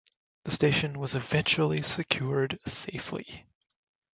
The station was eventually secured safely.